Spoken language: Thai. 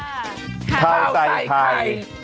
ถ้าปลาใจใคร